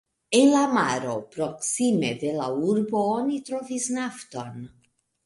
En la maro proksime de la urbo oni trovis nafton.